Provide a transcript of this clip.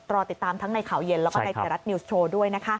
รอติดตามทั้งในข่าวเย็นและประกาศจรรย์รัฐนิวส์โชว์ด้วยนะครับ